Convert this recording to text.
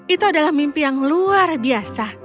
itu adalah mimpi yang luar biasa